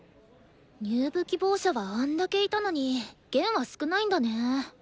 入部希望者はあんだけいたのに弦は少ないんだね。